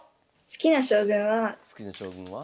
好きな将軍は？